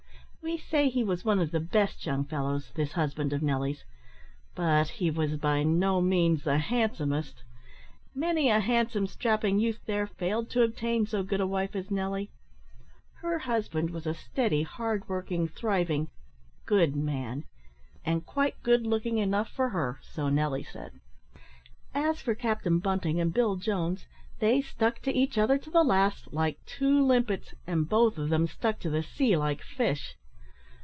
We say he was one of the best young fellows this husband of Nelly's but he was by no means the handsomest; many a handsome strapping youth there failed to obtain so good a wife as Nelly. Her husband was a steady, hard working, thriving, good man and quite good looking enough for her so Nelly said. As for Captain Bunting and Bill Jones, they stuck to each other to the last, like two limpets, and both of them stuck to the sea like fish.